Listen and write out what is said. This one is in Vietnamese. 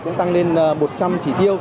cũng tăng lên một trăm linh chỉ tiêu